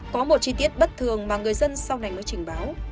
có một chi tiết bất thường mà người dân sau này mới trình báo